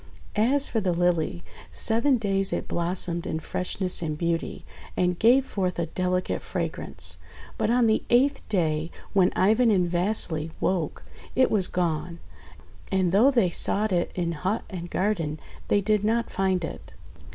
As for the Lily, seven days it blossomed in freshness and beauty, and gave forth a delicate fragrance; but on the eighth day, when Ivan and Vasily woke, it was gone. And though they sought it in hut and garden, they did not find it.